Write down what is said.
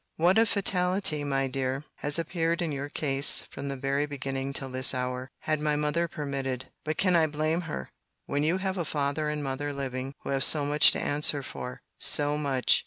What a fatality, my dear, has appeared in your case, from the very beginning till this hour! Had my mother permitted—— But can I blame her; when you have a father and mother living, who have so much to answer for?—So much!